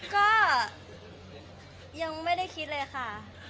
ก็ยังไม่ได้คิดเลยค่ะ